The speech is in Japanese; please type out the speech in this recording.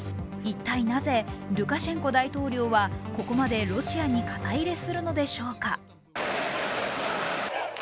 一体、なぜルカシェンコ大統領はここまでロシアに肩入れするのでしょうか。